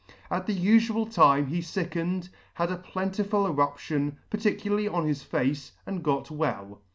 At the ufual time he lickened, had a plentiful eruption, particularly on his face, and got well.